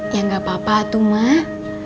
ya enggak apa apa tuh mah